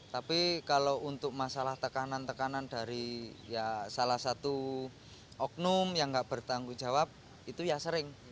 tapi kalau untuk masalah tekanan tekanan dari salah satu oknum yang nggak bertanggung jawab itu ya sering